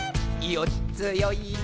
「よっつよいこも